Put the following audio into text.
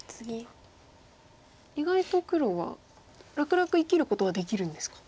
意外と黒は楽々生きることができるんですか。